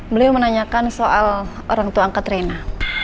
beliau menanyakan soal orang tua angkat rena